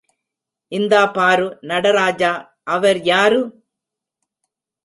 இந்தா பாரு நடராஜா அவர் யாரு?